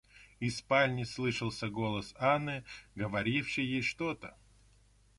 Из спальни слышался голос Анны, говорившей что-то.